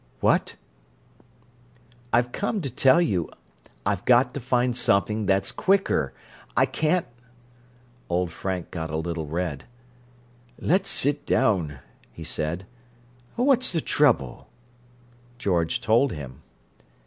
"What?" "I've come to tell you, I've got to find something that's quicker. I can't—" Old Frank got a little red. "Let's sit down," he said. "What's the trouble?" George told him.